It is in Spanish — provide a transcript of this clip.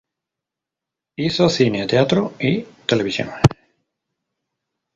Hizo cine, teatro y televisión.